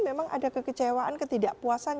memang ada kekecewaan ketidakpuasan